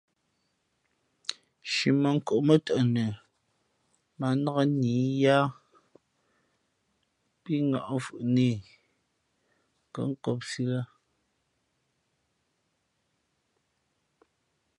Shīmαnkóʼ mά tαʼ nə mα ǎ nnák nǐyáá pí ŋα̌ʼ mfhʉʼnā i kα̌ nkōpsī ī lά.